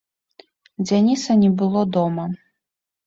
Дзяніса не было дома.